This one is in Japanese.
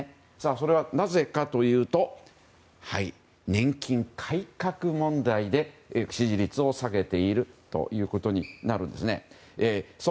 それはなぜかというと年金改革問題で支持率を下げているということになるんですね。